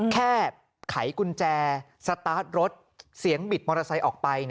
ไขกุญแจสตาร์ทรถเสียงบิดมอเตอร์ไซค์ออกไป